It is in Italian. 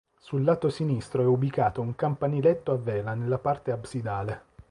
Sul lato sinistro è ubicato un campaniletto a vela nella parte absidale.